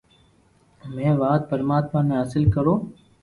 مين وات پرماتما ني حاصل ڪرو